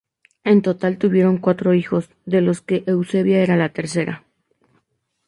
En total tuvieron cuatro hijos, de los que Eusebia era la tercera.